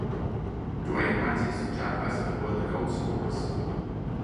Dwayne Mattis and Jack Lester were the goalscorers.